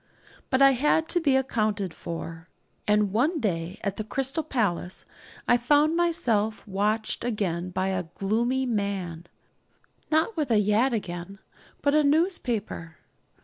But I had to be accounted for, and one day at the Crystal Palace I found myself watched again by a 'gloomy man' not with a yataghan, but a newspaper.